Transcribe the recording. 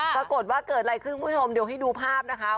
ปรากฏว่าเกิดอะไรขึ้นคุณผู้ชมเดี๋ยวให้ดูภาพนะคะ